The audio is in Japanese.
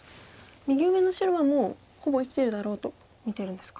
右上の白はもうほぼ生きてるだろうと見てるんですか。